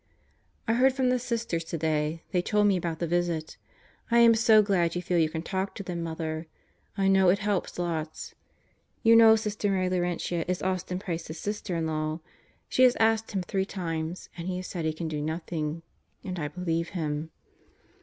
I heard from the Sisters today. They told me about the visit. I am so glad you feel you can talk to them, Mother. I know it helps lots. You know Sister Mary Laurentia is Austin Price's sister in law. She has asked him three times, and he has said he can do nothing and I believe him.